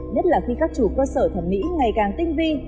nhất là khi các chủ cơ sở thẩm mỹ ngày càng tinh vi